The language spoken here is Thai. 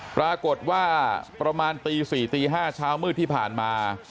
ปรากฏว่าประมาณตี๔ตี๕เช้ามืดที่ผ่านมา